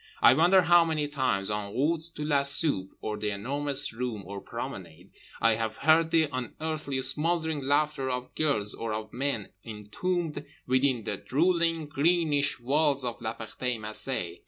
I wonder how many times, en route to la soupe or The Enormous Room or promenade, I have heard the unearthly smouldering laughter of girls or of men entombed within the drooling greenish walls of La Ferté Macé.